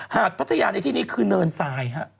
พัทยาในที่นี้คือเนินทราย